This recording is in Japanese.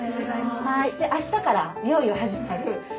明日からいよいよ始まる。